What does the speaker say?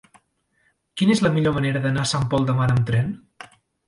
Quina és la millor manera d'anar a Sant Pol de Mar amb tren?